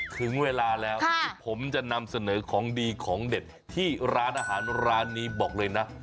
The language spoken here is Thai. ถึงเวลาแล้วที่ผมจะนำเสนอของดีของเด็ดที่ร้านอาหารร้านนี้บอกเลยนะ